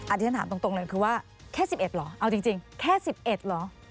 ที่ฉันถามตรงเลยคือว่าแค่๑๑เหรอเอาจริงแค่๑๑เหรอ